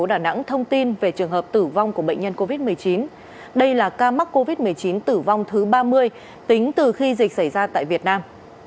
tp đà nẵng thông tin về trường hợp tử vong của bệnh nhân covid một mươi chín đây là ca mắc covid một mươi chín tử vong thứ ba mươi tính từ khi dịch xảy ra tại việt nam